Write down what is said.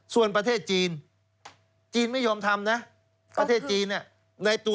ส่วนประเทศจีนจีนไม่ยอมทำนะ